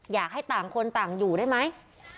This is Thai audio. อยากให้ต่างคนต่างอยู่ได้ไหม